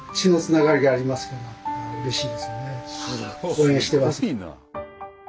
応援してます。